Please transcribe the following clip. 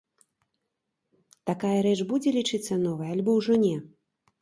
Такая рэч будзе лічыцца новай, альбо ўжо не?